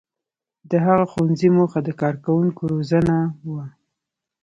• د هغه ښوونځي موخه د کارکوونکو روزنه وه.